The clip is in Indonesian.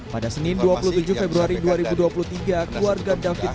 pada senin dua puluh tujuh februari dua ribu dua puluh tiga keluarga david